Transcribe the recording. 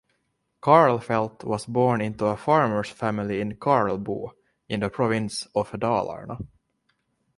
Karlfeldt was born into a farmer's family in Karlbo, in the province of Dalarna.